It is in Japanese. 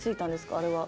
あれは。